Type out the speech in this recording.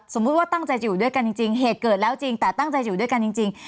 ว่าตั้งใจจะอยู่ด้วยกันจริงเหตุเกิดแล้วจริงแต่ตั้งใจอยู่ด้วยกันจริง